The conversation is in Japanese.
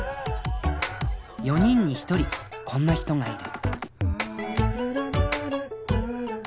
４人に１人こんな人がいる。